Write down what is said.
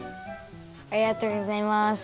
ありがとうございます。